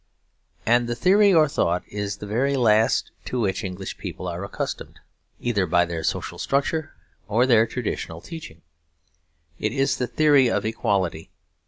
And the theory or thought is the very last to which English people are accustomed, either by their social structure or their traditional teaching. It is the theory of equality.